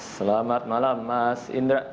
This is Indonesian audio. selamat malam mas indra